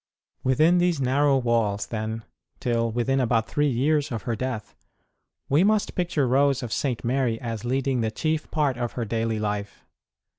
Within these narrow walls, then, till within about three years of her death, we must picture Rose of St. Mary as leading the chief part of her daily life.